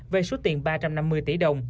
về số tiền ba trăm năm mươi tỷ